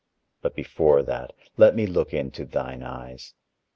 But before that, let me look into thine eyes.